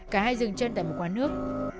cả hai dừng chân tại một quán nước